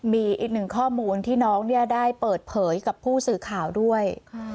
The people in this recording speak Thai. มีอีกหนึ่งข้อมูลที่น้องได้เปิดเผยกับผู้สื่อข่าวด้วย